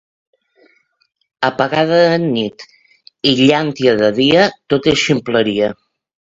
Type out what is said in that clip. Apagada de nit i llàntia de dia, tot és ximpleria.